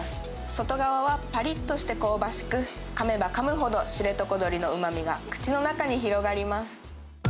外側はぱりっとして香ばしく、かめばかむほど、知床どりのうまみが口の中に広がります。